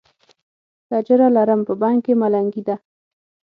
تجره لرم، په بنګ کې ملنګي ده